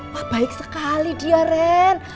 wah baik sekali dia ren